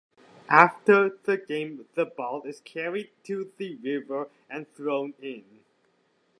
After the game the ball is carried to the river and thrown in.